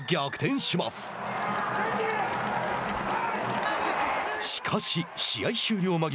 しかし、試合終了間際。